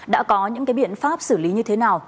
đã có những biện pháp xử lý như thế nào